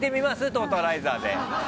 トータライザーで。